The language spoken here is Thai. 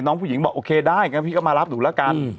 ผู้หญิงบอกโอเคได้งั้นพี่ก็มารับหนูแล้วกัน